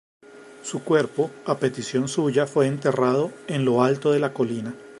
Su cuerpo, a petición suya, fue enterrado en lo alto de la colina.